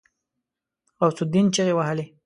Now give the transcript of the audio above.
غوث الدين چيغې وهلې.